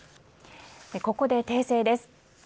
ここで訂正です。